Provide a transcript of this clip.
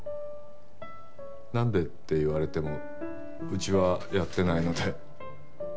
なんでって言われてもうちはやってないので。